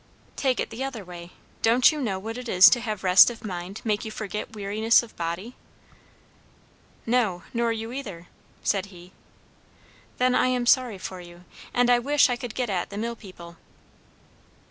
"Take it the other way don't you know what it is to have rest of mind make you forget weariness of body?" "No nor you either," said he. "Then I am sorry for you; and I wish I could get at the mill people."